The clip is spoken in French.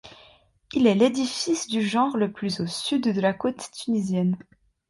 Il est l'édifice du genre le plus au sud de la côte tunisienne.